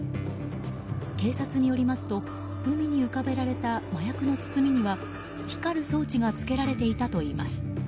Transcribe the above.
警察によりますと海に浮かべられた麻薬の包みには光る装置がつけられていたといいます。